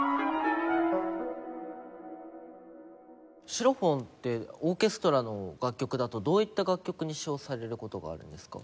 シロフォンってオーケストラの楽曲だとどういった楽曲に使用される事があるんですか？